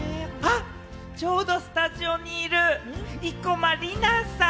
ちょうどスタジオにいる生駒里奈さん！